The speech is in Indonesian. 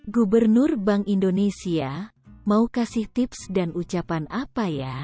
gubernur bank indonesia mau kasih tips dan ucapan apa ya